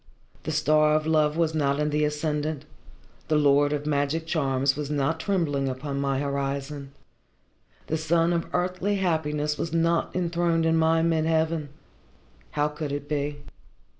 The star of love was not in the ascendant, the lord of magic charms was not trembling upon my horizon, the sun of earthly happiness was not enthroned in my mid heaven. How could it be?